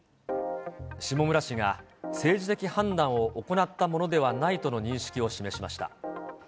下村氏が政治的判断を行ったものではないとの認識を示しました。